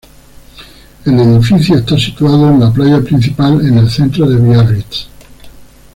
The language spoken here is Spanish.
El edificio está situado en la playa principal en el centro de Biarritz.